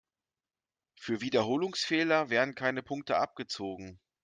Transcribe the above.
Für Wiederholungsfehler werden keine Punkte abgezogen.